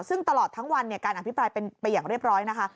ซึ่งตลอดทั้งวันการอภิปรายเป็นไปอย่างเรียบร้อยนะคะ